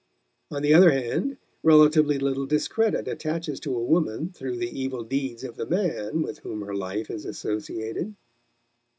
On the other hand, relatively little discredit attaches to a woman through the evil deeds of the man with whom her life is associated.